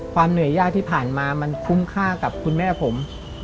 เหนื่อยยากที่ผ่านมามันคุ้มค่ากับคุณแม่ผม